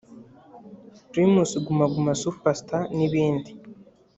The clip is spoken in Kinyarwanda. Primus Guma Guma Super Star n’ibindi